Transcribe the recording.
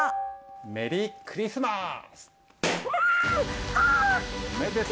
メリークリスマス！